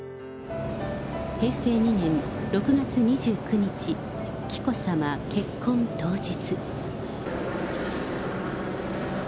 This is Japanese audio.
平成２年６月２９日、紀子さま結婚当日。